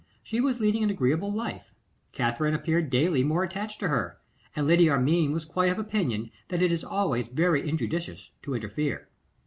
She was leading an agreeable life. Katherine appeared daily more attached to her, and Lady Armine was quite of opinion that it is always very injudicious to interfere.